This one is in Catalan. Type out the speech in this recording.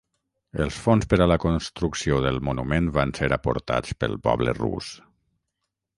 Els fons per a la construcció del monument van ser aportats pel poble rus.